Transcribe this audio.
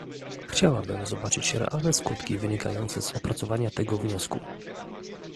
Chciałabym zobaczyć realne skutki wynikające z opracowania tego wniosku